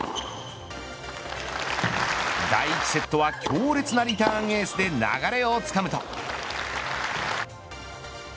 第１セットは強烈なリターンエースで流れをつかむと。